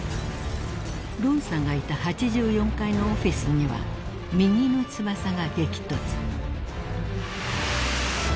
［ロンさんがいた８４階のオフィスには右の翼が激突］